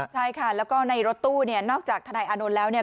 ใช่ค่ะแล้วก็ในรถตู้เนี่ยนอกจากทนายอานนท์แล้วเนี่ย